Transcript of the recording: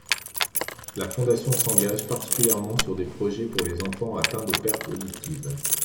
La fondation s'engage particulièrement sur des projets pour les enfants atteints de perte auditive.